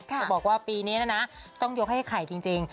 จะบอกว่าปีนี้นะนะต้องยกให้ไข่จริง